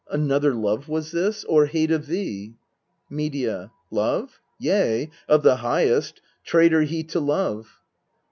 Another love was this ? or hate of thee ? Medea. Love? yea, of the highest traitor he to love